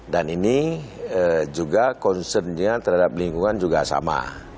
dan ini juga concern nya terhadap lingkungan juga sama